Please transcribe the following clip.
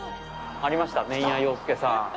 ありました、麺屋ようすけさん。